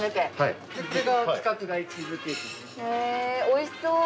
おいしそう。